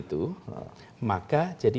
itu maka jadi